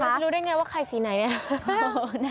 จะรู้ได้ไงว่าใครสีไหนเนี่ย